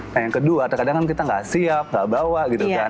nah yang kedua terkadang kan kita nggak siap nggak bawa gitu kan